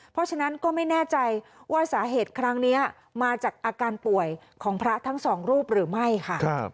เพราะฉะนั้นก็ไม่แน่ใจว่าสาเหตุครั้งนี้มาจากอาการป่วยของพระทั้งสองรูปหรือไม่ค่ะ